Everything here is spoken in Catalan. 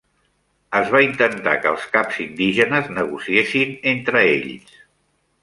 Es va intentar que els caps indígenes negociessin entre ells.